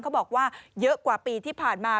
บอกว่าเยอะกว่าปีที่ผ่านมา